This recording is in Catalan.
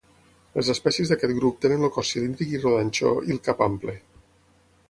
Les espècies d'aquest grup tenen el cos cilíndric i rodanxó i el cap ample.